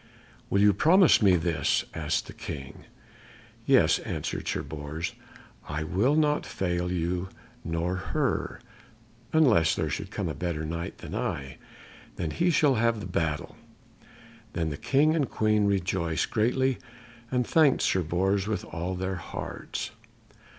"Will you promise me this?" asked the King. "Yes," answered Sir Bors, "I will not fail you nor her, unless there should come a better Knight than I, then he shall have the battle." Then the King and Queen rejoiced greatly, and thanked Sir Bors with all their hearts.